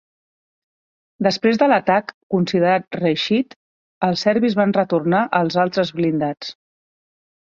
Després de l'atac, considerat reeixit, els serbis van retornar els altres blindats.